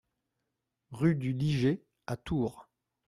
Rue du Liget à Tours